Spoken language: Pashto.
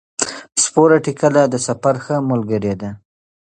سپوره ټکله د سفر ښه ملګری دی.